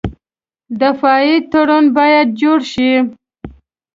دفاعي تړون باید جوړ شي.